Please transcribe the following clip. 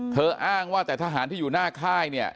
เธออ้างว่าแต่ทหารที่อยู่หน้าค่าย